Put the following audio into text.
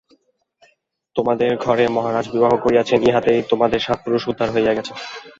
তােমাদের ঘরে মহারাজ বিবাহ করিয়াছেন, ইহাতেই তোমাদের সাত পুরুষ উদ্ধার হইয়া গেছে।